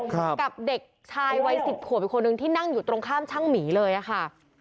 ครับกับเด็กชายวัยสิบขวบอีกคนนึงที่นั่งอยู่ตรงข้ามช่างหมีเลยอะค่ะ